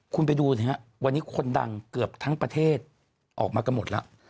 คุณไปดูว่าเห็นไหมครับวันนี้คนดังเกือบทั้งประเทศออกมากละหมดล่ะ